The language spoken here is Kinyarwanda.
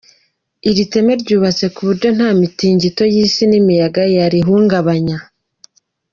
Iri teme ryubatse ku buryo nta mitingito y'isi n'imiyaga yarihungabanya.